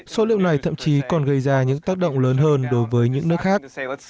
số liệu này thậm chí còn gây ra những tác động lớn hơn đối với những nước khác